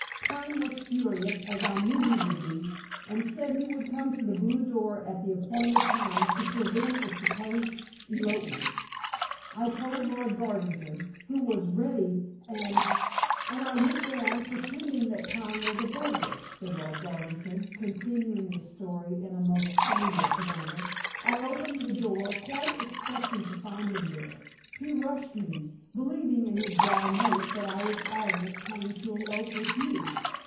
Pine was furious, as I knew he would be, and said that he would come to the blue door at the appointed time to prevent the supposed elopement. I told Lord Garvington, who was ready, and " "And I went down, pretending that Pine was a burglar," said Lord Garvington, continuing the story in a most shameless manner. "I opened the door quite expecting to find him there. He rushed me, believing in his blind haste that I was Agnes coming to elope with you.